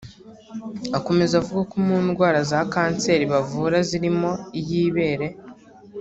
Akomeza avuga ko mu ndwara za kanseri bavura zirimo iy’ibere